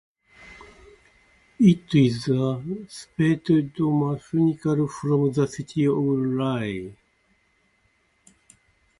It is a separate municipality from the city of Rye.